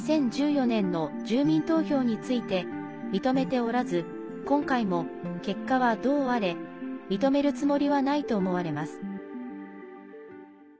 ２０１４年の住民投票について認めておらず今回も結果はどうあれ認めるつもりはないと思われます。